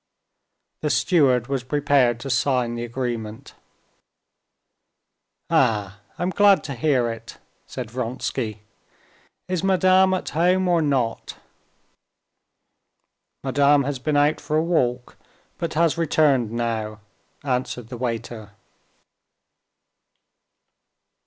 The steward was prepared to sign the agreement. "Ah! I'm glad to hear it," said Vronsky. "Is madame at home or not?" "Madame has been out for a walk but has returned now," answered the waiter.